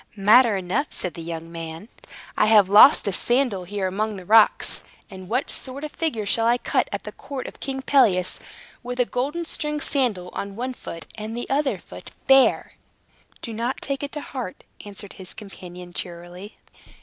"Matter enough," said the young man. "I have lost a sandal here among the rocks. And what sort of a figure shall I cut, at the court of King Pelias, with a golden stringed sandal on one foot, and the other foot bare!" "Do not take it to heart," answered his companion cheerily.